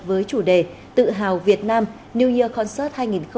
với chủ đề tự hào việt nam new year concert hai nghìn hai mươi